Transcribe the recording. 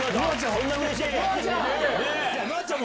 そんなうれしい？